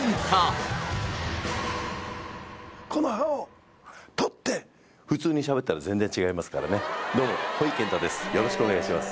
この歯を取って普通にしゃべったら全然違いますからねどうもほいけんたです